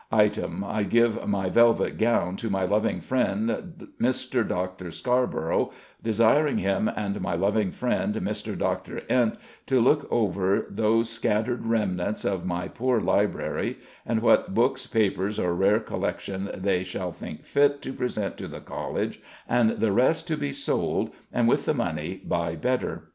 Item, I give my velvet gown to my loving friend Mr. Doctor Scarborough, desiring him and my loving friend Mr. Doctor Ent to looke over those scattered remnants of my poore librarieie, and what bookes, papers, or rare collections they shall think fit to present to the College, and the rest to be sold, and with the money buy better."